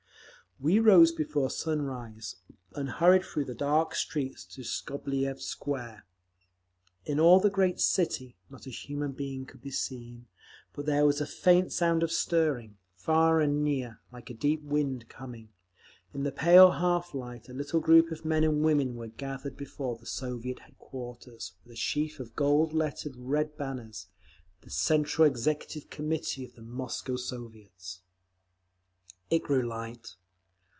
We rose before sunrise, and hurried through the dark streets to Skobeliev Square. In all the great city not a human being could be seen; but there was a faint sound of stirring, far and near, like a deep wind coming. In the pale half light a little group of men and women were gathered before the Soviet headquarters, with a sheaf of gold lettered red banners—the Central Executive Committee of the Moscow Soviets. It grew light.